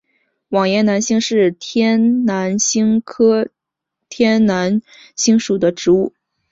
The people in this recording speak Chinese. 网檐南星是天南星科天南星属的植物。